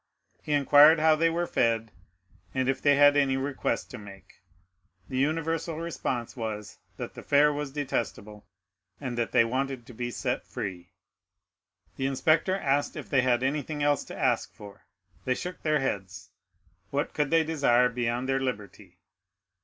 He inquired how they were fed, and if they had any request to make. The universal response was, that the fare was detestable, and that they wanted to be set free. The inspector asked if they had anything else to ask for. They shook their heads. What could they desire beyond their liberty?